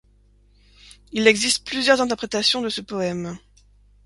Il existe plusieurs interprétations de ce poème.